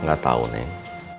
nggak tahu neng